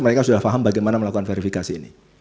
mereka sudah paham bagaimana melakukan verifikasi ini